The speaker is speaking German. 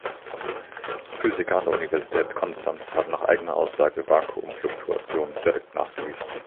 Physiker an der Universität Konstanz haben nach eigener Aussage Vakuumfluktuationen direkt nachgewiesen.